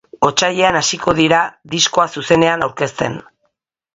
Otsailean hasiko dira diskoa zuzenean aurkezten.